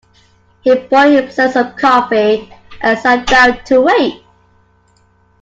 He boiled himself some coffee and sat down to wait.